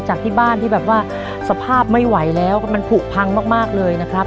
จากที่บ้านที่แบบว่าสภาพไม่ไหวแล้วมันผูกพังมากเลยนะครับ